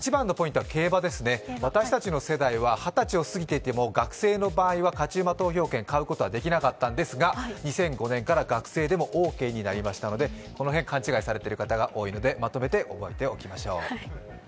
競馬です、私たちの世代は二十歳を過ぎていても学生の場合、勝ち馬投票を買うことができなかったんですが２００５年から学生でもオーケーになりましたのでこの辺、勘違いされている方が多いので、まとめて覚えておきましょう。